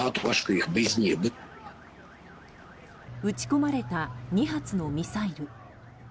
撃ち込まれた２発のミサイル。